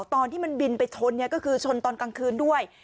ตอนที่มันบินไปชนก็คือชนตอนกลางคืนด้วย